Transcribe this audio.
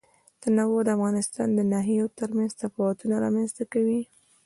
تنوع د افغانستان د ناحیو ترمنځ تفاوتونه رامنځ ته کوي.